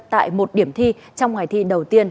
tại một điểm thi trong ngày thi đầu tiên